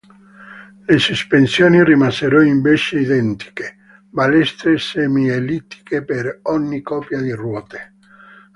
Le sospensioni rimasero invece identiche: balestre semiellittiche per ogni coppia di ruote.